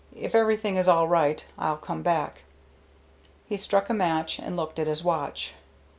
"If everything is all right, I'll come back." He struck a match and looked at his watch.